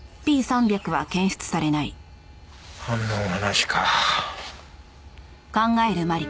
反応はなしか。